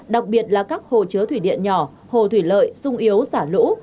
đặc biệt là các hồ chứa thủy điện nhỏ hồ thủy lợi sung yếu xả lũ